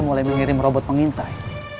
mulai mengirim robot pengintai